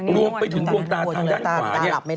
รวมไปถึงรวมตาทางด้านขวา